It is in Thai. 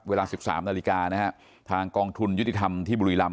เวลาสิบสามนาฬิกานะฮะทางกองทุนอยุธิภัมน์ที่บุรีรัม๐๐๓๐